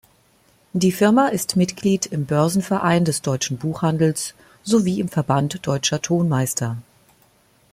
Die Firma ist Mitglied im Börsenverein des Deutschen Buchhandels sowie im Verband Deutscher Tonmeister.